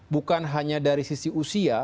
bukan hanya dari sisi usia